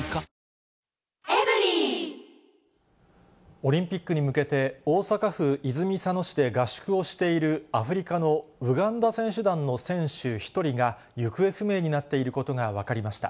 オリンピックに向けて、大阪府泉佐野市で合宿をしている、アフリカのウガンダ選手団の選手１人が、行方不明になっていることが分かりました。